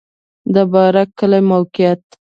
د بارک کلی موقعیت